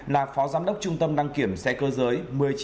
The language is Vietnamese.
là phó giám đốc trung tâm đăng kiểm xe cơ giới